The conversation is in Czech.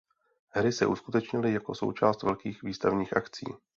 Hry se uskutečnily jako součást velkých výstavních akcí.